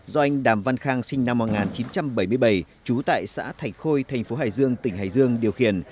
do anh đàm văn khang sinh năm một nghìn chín trăm bảy mươi bảy trú tại xã thạch khôi thành phố hải dương tỉnh hải dương điều khiển